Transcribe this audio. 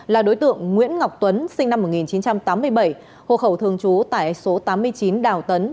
là đối tượng nguyễn ngọc tuấn sinh năm một nghìn chín trăm tám mươi bảy hộ khẩu thường trú tại số tám mươi chín đào tấn